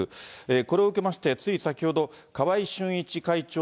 これを受けまして、つい先ほど、川合俊一会長